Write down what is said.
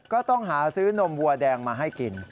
ก็ต้องหาซื้อนมวัวแดงมาให้กิน